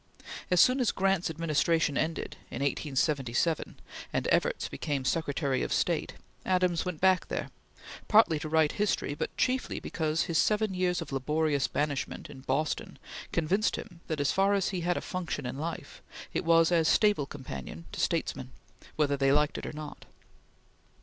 As soon as Grant's administration ended, in 1877, and Evarts became Secretary of State, Adams went back there, partly to write history, but chiefly because his seven years of laborious banishment, in Boston, convinced him that, as far as he had a function in life, it was as stable companion to statesmen, whether they liked it or not.